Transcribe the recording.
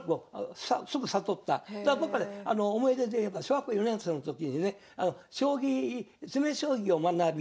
思い出でいえば小学校４年生の時にね将棋詰将棋を学び